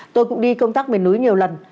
tôi cũng đi công tác mềm núi nhiều lần